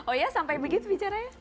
oh ya sampai begitu bicaranya